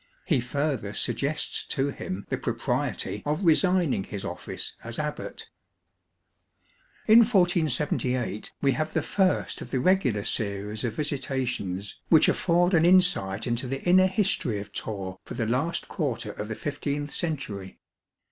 He further suggests to him the propriety of resigning his office as abbot. In 1478 we have the first of the regular series of visi tations which afford an insight into the inner history of Torre for the last quarter of the fifteenth century.